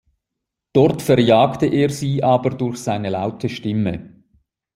Dort verjagt er sie aber durch seine laute Stimme.